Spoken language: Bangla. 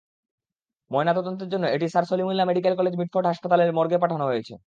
ময়নাতদন্তের জন্য এটি sir Salimullah medical college Mitford হাসপাতালের মর্গে পাঠানো হয়েছে।